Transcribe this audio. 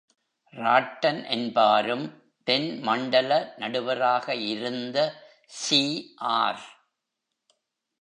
Rotten என்பாரும், தென்மண்டல நடுவராக இருந்த சி, ஆர்.